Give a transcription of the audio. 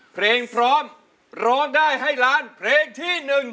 เพลงพร้อมร้องได้ให้ล้านเพลงที่๑